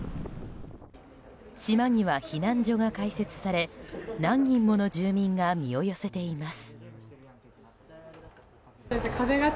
島には避難所が開設され何人もの住民が身を寄せています。